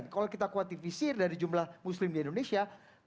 kalau kita kuantifisir dari jumlah muslim di indonesia